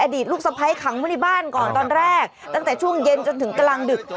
ดีตลูกสะพ้ายขังไว้ในบ้านก่อนตอนแรกตั้งแต่ช่วงเย็นจนถึงกลางดึก